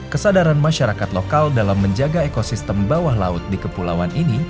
kesadaran masyarakat lokal dalam menjaga ekosistem bawah laut di kepulauan ini